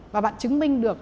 và bạn chứng minh được